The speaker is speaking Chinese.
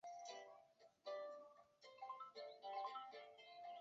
近来原有的路树黑板树也常常被移除改换其他树种。